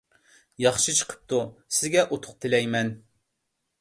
ياخشى چىقىپتۇ، سىزگە ئۇتۇق تىلەيمەن.